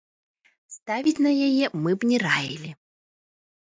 Ставіць на яе мы б не раілі.